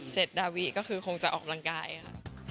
เจ็ดดาร์วีก็คือมันจะออกกำลังกายค่ะ